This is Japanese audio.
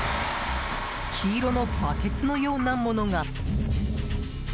黄色のバケツのようなものが！